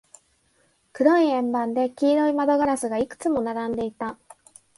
黒い円盤で、黄色い窓ガラスがいくつも並んでいた。